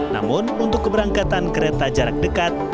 namun untuk keberangkatan kereta jarak dekat